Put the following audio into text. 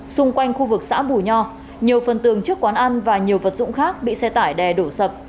xung quanh khu vực xã bù nho nhiều phần tường trước quán ăn và nhiều vật dụng khác bị xe tải đè đổ sập